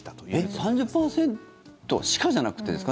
３０％しかじゃなくてですか？